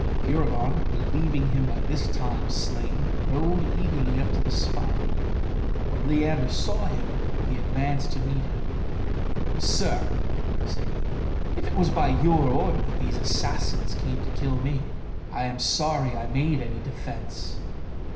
Furibon, believing him by this time slain, rode eagerly up to the spot. When Leander saw him, he advanced to meet him. "Sir," said he, "if it was by your order that these assassins came to kill me, I am sorry I made any defence."